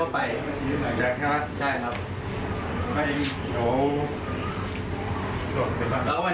แล้วก็ไปนัดเจอตึกหลัง